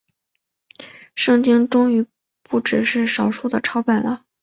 圣经终于不只是少数的抄本了。